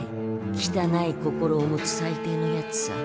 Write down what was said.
きたない心を持つ最低のやつさ。